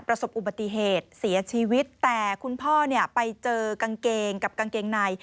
ประสบอุบัติเหตุเสียชีวิตแต่คุณพ่อเนี่ยไปเจอกางเกงกับกางเกงใน